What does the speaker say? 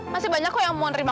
masih banyak kok yang mau nerima